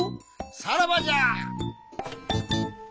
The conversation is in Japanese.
さらばじゃ！